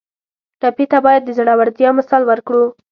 ټپي ته باید د زړورتیا مثال ورکړو.